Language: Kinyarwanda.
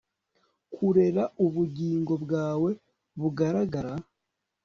kurera ubugingo bwawe bugaragara